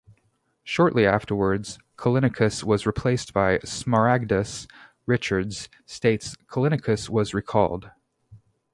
Shortly afterwards Callinicus was replaced by Smaragdus; Richards states Callinicus was recalled.